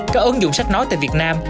các ứng dụng sách nói tại việt nam